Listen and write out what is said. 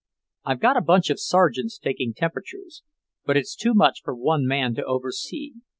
"I've got a bunch of sergeants taking temperatures, but it's too much for one man to oversee.